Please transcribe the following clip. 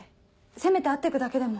せめて会ってくだけでも。